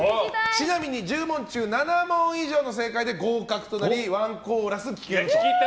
ちなみに１０問中７問以上の正解で合格となりワンコーラス聴けると。